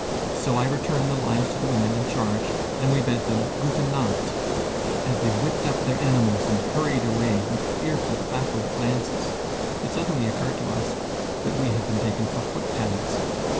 So I returned the lines to the woman in charge, and we bade them "Guten Nacht." As they whipped up their animals and hurried away, with fearful backward glances, it suddenly occurred to us that we had been taken for footpads.